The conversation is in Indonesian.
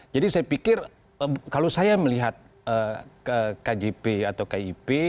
jadi saya pikir kalau saya melihat kjp atau kip